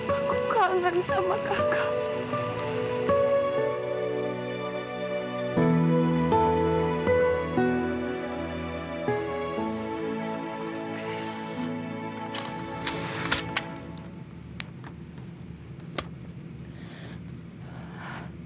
aku kangen sama kakak